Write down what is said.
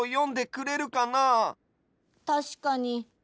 たしかに。